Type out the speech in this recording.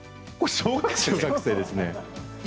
小学生です。